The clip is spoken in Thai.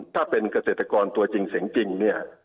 ถ้าเป็นเกษตรกรตัวจริงเนี่ย